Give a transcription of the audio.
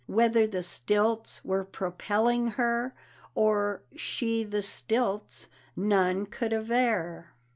Whether the stilts were propelling her, Or she the stilts, none could aver.